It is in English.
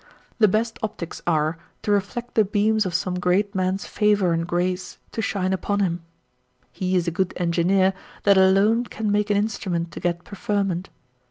The best optics are, to reflect the beams of some great man's favour and grace to shine upon him. He is a good engineer that alone can make an instrument to get preferment.